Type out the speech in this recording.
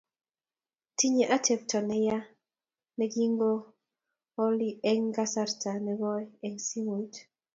Tinyei atepto ne ya ne king'ololi eng kasarta ne koi eng simoit.